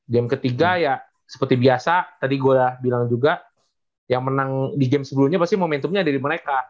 game ketiga ya seperti biasa tadi gue udah bilang juga yang menang di game sebelumnya pasti momentumnya ada di mereka